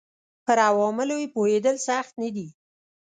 پر عواملو یې پوهېدل سخت نه دي